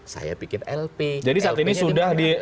saya bikin lp jadi saat ini sudah di